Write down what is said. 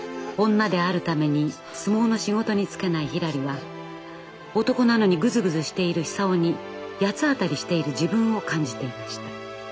女であるために相撲の仕事に就けないひらりは男なのにグズグズしている久男に八つ当たりしている自分を感じていました。